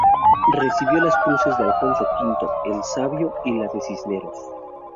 Recibió las cruces de Alfonso X el Sabio y la de Cisneros.